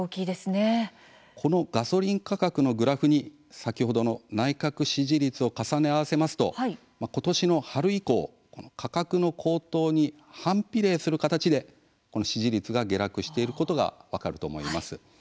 このガソリン価格のグラフに先ほどの内閣支持率を重ね合わせますとことしの春以降、価格の高騰に反比例する形で、支持率が下落していることが分かると思います。